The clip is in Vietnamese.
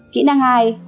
kỹ năng hai